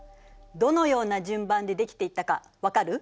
どのような順番でできていったかわかる？